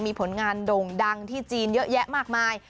มีผลงานโด่งดังที่จีนเยอะแยะมากมาย